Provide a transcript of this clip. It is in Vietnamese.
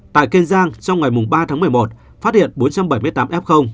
tại kiên giang trong ngày ba tháng một mươi một phát hiện bốn trăm bảy mươi tám f